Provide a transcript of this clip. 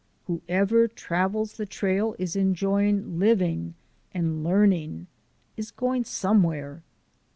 Whoever travels the trail is enjoying living and learning; is going somewhere.